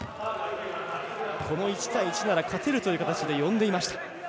１対１なら勝てるという形でよんでいました。